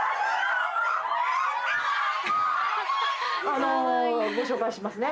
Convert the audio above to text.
あのご紹介しますね。